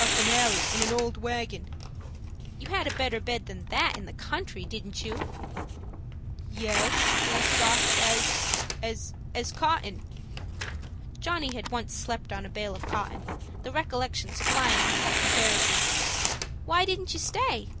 "Up an alley in an old wagon." "You had a better bed than that in the country, didn't you?" "Yes, it was as soft as—as cotton." Johnny had once slept on a bale of cotton, the recollection supplying him with a comparison. "Why didn't you stay?"